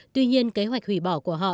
tuy nhiên kế hoạch hủy bỏ của họ